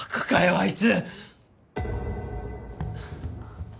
あいつ！